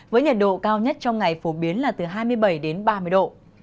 với nhiệt độ cao nhất trong ngày phổ biến là từ hai mươi bảy đến ba mươi độ